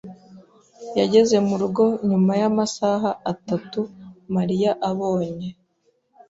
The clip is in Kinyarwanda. yageze murugo nyuma yamasaha atatu Mariya abonye.